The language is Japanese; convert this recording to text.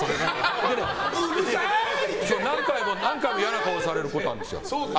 何回も嫌な顔されることがあります。